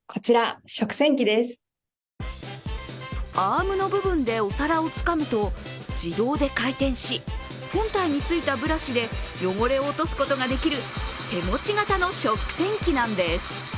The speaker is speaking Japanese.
アームの部分でお皿をつかむと自動で回転し本体についたブラシで汚れを落とすことができる手持ち型の食洗機なんです。